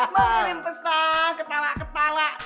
mengirim pesan ketawa ketawa